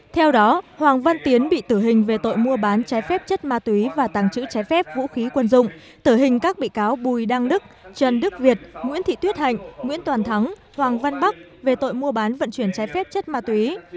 theo đó hoàng văn tiến bị tử hình về tội mua bán trái phép chất ma túy và tàng trữ trái phép vũ khí quân dụng tử hình các bị cáo bùi đăng đức trần đức việt nguyễn thị tuyết hạnh nguyễn toàn thắng hoàng văn bắc về tội mua bán vận chuyển trái phép chất ma túy